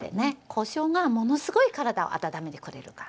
こしょうがものすごい体を温めてくれるから。